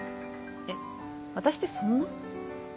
え私ってそんな？